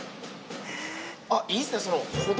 あっいいですね。